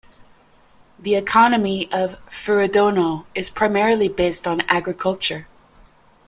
The economy of Furudono is primarily based on agriculture.